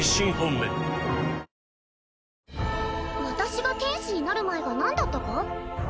私が天使になる前が何だったか？